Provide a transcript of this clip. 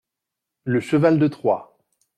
Le cheval de Troie.